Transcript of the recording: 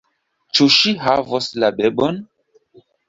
Ĉu ŝi havos la bebon?